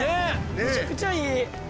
めちゃくちゃいい。